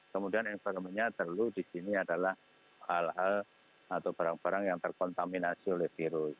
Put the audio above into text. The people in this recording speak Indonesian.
kemudian environment nya perlu di sini adalah hal hal atau barang barang yang terkontaminasi oleh virus